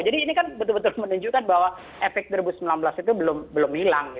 ini kan betul betul menunjukkan bahwa efek dua ribu sembilan belas itu belum hilang